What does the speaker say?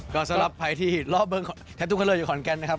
ก็สำหรับภายที่รอบเบิร์กคอนแกนนะครับ